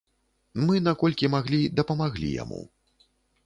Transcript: Мы наколькі маглі дапамаглі яму.